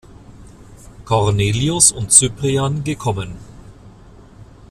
Cornelius und Cyprian gekommen.